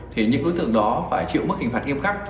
thì những đối tượng đó phải chịu mức hình phạt nghiêm khắc